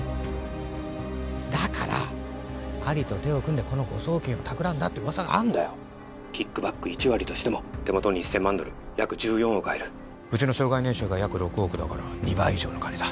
だからアリと手を組んでこの誤送金を企んだって噂があんだよ☎キックバック１割としても手元に１千万ドル約１４億入るうちの生涯年収が約６億だから２倍以上の金だ